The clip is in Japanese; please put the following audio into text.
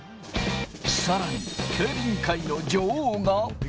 さらに、競輪界の女王が。